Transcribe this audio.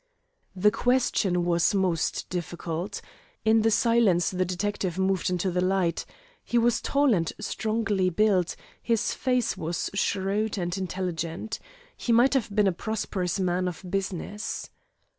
The question was most difficult. In the silence the detective moved into the light. He was tall and strongly built, his face was shrewd and intelligent. He might have been a prosperous man of business.